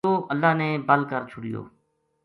یوہ اللہ نے بل کر چھڑیو